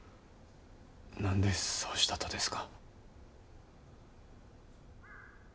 なんでそうしたとですか？